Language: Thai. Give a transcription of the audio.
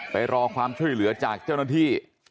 ไปรอความช่วยเหลือจากเจ้าหน้าที่